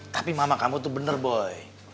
tapi mama kamu tuh bener boy